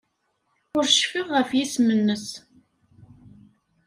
Ur cfiɣ ɣef yisem-nnes.